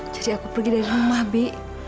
jadi aku pergi dari rumah bi